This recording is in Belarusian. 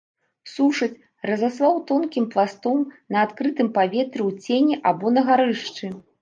Сушаць, разаслаў тонкім пластом на адкрытым паветры ў цені або на гарышчы.